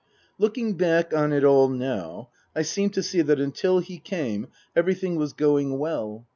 Looking back on it all now, I seem to see that until he came everything was going well.